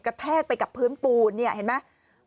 แทกไปกับพื้นปูนเนี่ยเห็นไหม